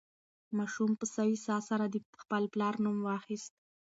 ماشوم په سوې ساه سره د خپل پلار نوم واخیست.